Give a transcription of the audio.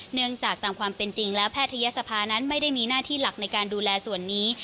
จากตามความเป็นจริงแล้วแพทยศภานั้นไม่ได้มีหน้าที่หลักในการดูแลส่วนนี้